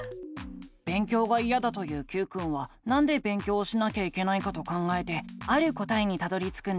勉強がいやだと言うＱくんはなんで勉強をしなきゃいけないかと考えてある答えにたどりつくんだ。